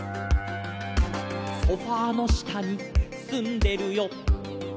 「ソファの下にすんでるよ」